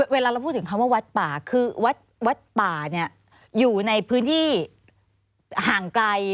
เวลาเราพูดถึงคำว่าวัดป่าคือวัดป่าเนี่ยอยู่ในพื้นที่ห่างไกล